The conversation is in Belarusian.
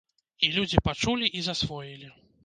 І людзі пачулі і засвоілі.